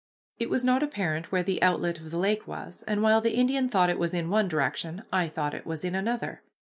It was not apparent where the outlet of the lake was, and while the Indian thought it was in one direction, I thought it was in another.